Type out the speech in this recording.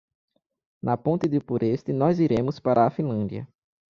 Na ponte do Purest nós iremos para a Finlândia.